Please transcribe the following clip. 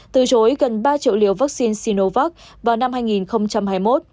từ chối gần ba triệu liều vaccine sinovac vào năm hai nghìn hai mươi một